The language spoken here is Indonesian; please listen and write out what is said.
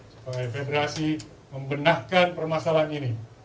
sebagai federasi membenahkan permasalahan ini